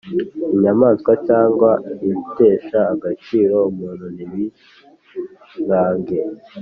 inyamaswa cyangwa ibitesha agaciro umuntu ntibi nkanga